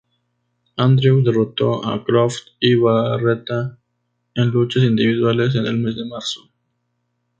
Andrews derrotó a Croft y Barreta en luchas individuales en el mes de marzo.